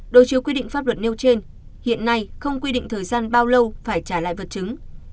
đối chiếu quy định pháp luật nêu trên hiện nay không quy định thời gian bao lâu phải trả lại vật chứng